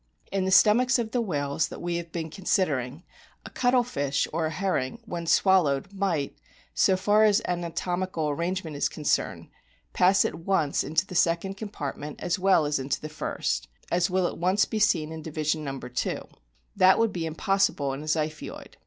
In the stomachs of the whales that we have been considering a cuttlefish or a herring when swallowed might, so far as anato mical arrangement is concerned, pass at once into the second compartment as well as into the first, as will at once be seen in division No. II. That would be impossible in a Ziphioid.